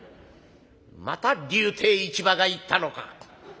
「また柳亭市馬が言ったのか。